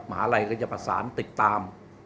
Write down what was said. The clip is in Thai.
มหาลัยก็จะประสานติดตาม